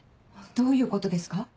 どういうことですか？